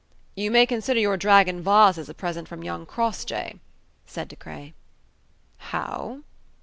"You may consider your Dragon vases a present from young Crossjay," said De Craye. "How?"